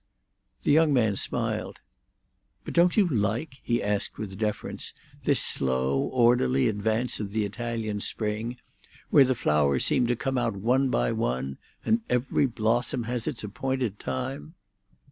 The young man smiled. "But don't you like," he asked with deference, "this slow, orderly advance of the Italian spring, where the flowers seem to come out one by one, and every blossom has its appointed time?"